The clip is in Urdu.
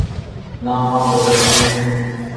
نہ عوام بدلتے ہیں۔